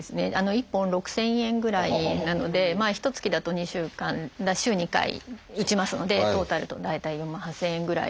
１本６，０００円ぐらいなのでひとつきだと週２回打ちますのでトータルだと大体４万８，０００円ぐらいしますね。